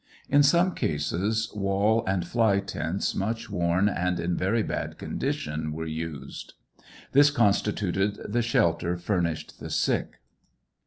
In some cases wall and fly tents much worn and in very bad condition were used. This constituted the shelter fur nished the sick.